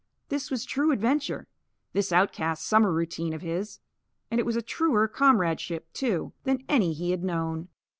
This was true adventure, this outcast summer routine of his. And it was a truer comradeship, too, than any he had known.